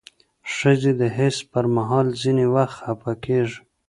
ښځې د حیض پر مهال ځینې وخت خپه کېږي.